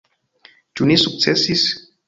Ĉu ni sukcesis?